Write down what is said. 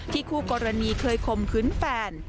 ที่คู่กรณีเคยคมพื้นแฟน